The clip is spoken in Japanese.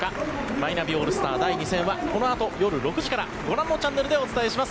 マイナビオールスター第２戦はこのあと夜６時からご覧のチャンネルでお伝えします。